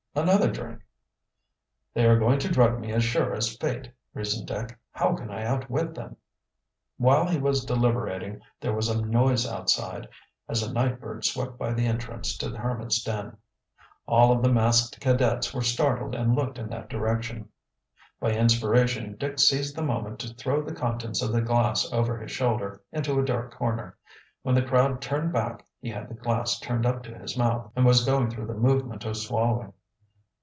"Another drink." "They are going to drug me as sure as fate," reasoned Dick. "How can I outwit them?" While he was deliberating there was a noise outside, as a night bird swept by the entrance to the hermit's den. All of the masked cadets were startled and looked in that direction. By inspiration Dick seized the moment to throw the contents of the glass over his shoulder into a dark corner. When the crowd turned back he had the glass turned up to his mouth and was going through the movement of swallowing.